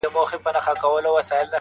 يوازي پاته کيږي،